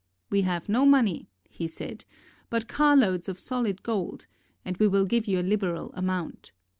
"We have no money," he said, "but car loads of solid gold and we will give you a liberal amount."